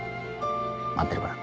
待ってるから。